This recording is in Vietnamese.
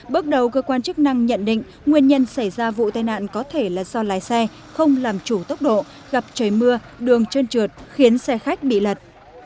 bước đầu cơ quan chức năng nhận định nguyên nhân xảy ra vụ tai nạn có thể là do lái xe không làm chủ tốc độ gặp trời mưa đường trơn trượt khiến xe khách bị lật